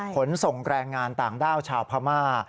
ขนส่งแรงงานต่างด้าวชาวพม่า